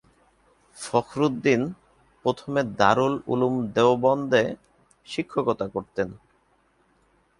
ফখরুদ্দিন প্রথমে দারুল উলূম দেওবন্দে শিক্ষকতা করতেন।